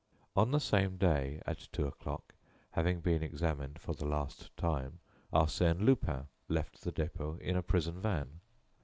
On the same day at two o'clock, having been examined for the last time, Arsène Lupin left the Dépôt in a prison van.